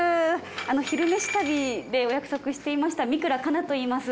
「昼めし旅」でお約束していました三倉佳奈といいます。